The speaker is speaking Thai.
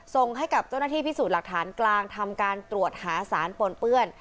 ส่งให้กับเจ้าหน้าที่พิสูจน์หลักฐานกลางทำการตรวจหาสารปนเปื้อน